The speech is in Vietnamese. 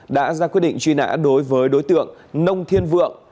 đã ra quyết định truy nã đối với đối tượng nông thiên vượng